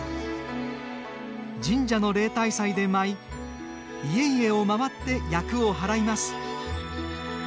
神社の例大祭で舞い家々を回って厄を払います。